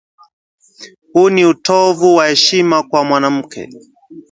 Huu ni utovu wa heshima kwa mwanamke